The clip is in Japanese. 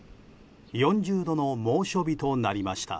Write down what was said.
４０度の猛暑日となりました。